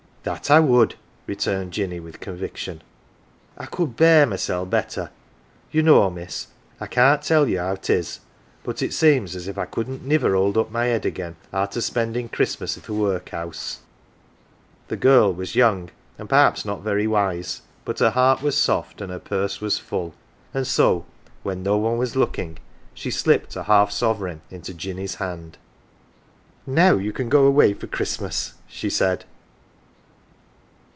" That I would !" returned Jinny, with conviction. " I could bear mysel' better. You know, miss I can't tell you how 'tis, but it seems as if I couldn't niver hold up my head again arter spending Christmas i' th' workhouse." The girl was young and perhaps not very wise ; but her heart was soft, and her purse was full, and so when 157 AUNT JINNY no one was looking she slipped a half sovereign into Jinny's hand. *' Now you can go away for Christmas, 1 ' 1 she said.